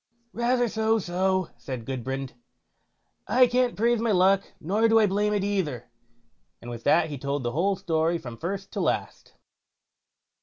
"Rather so so", said Gudbrand, "I can't praise my luck, nor do I blame it either", and with that he told the whole story from first to last.